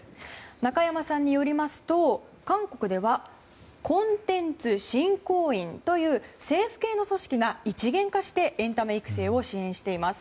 中山さんによりますと韓国ではコンテンツ振興院という政府系の組織が一元化してエンタメ育成を支援しています。